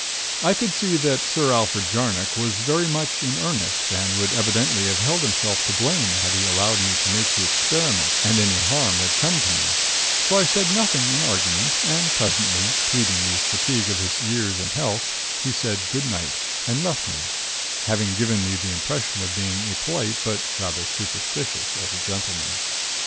"I could see that Sir Alfred Jarnock was very much in earnest, and would evidently have held himself to blame had he allowed me to make the experiment and any harm come to me; so I said nothing in argument; and presently, pleading the fatigue of his years and health, he said goodnight, and left me; having given me the impression of being a polite but rather superstitious, old gentleman.